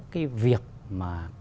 cái việc mà